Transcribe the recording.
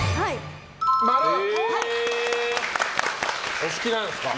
お好きなんですか？